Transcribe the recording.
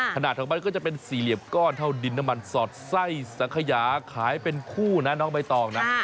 ขนาดของมันก็จะเป็นสี่เหลี่ยมก้อนเท่าดินน้ำมันสอดไส้สังขยาขายเป็นคู่นะน้องใบตองนะ